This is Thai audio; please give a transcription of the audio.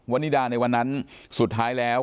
วันนี้ดาในวันนั้นสุดท้ายแล้ว